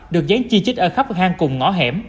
được gián chi chích ở khắp các nơi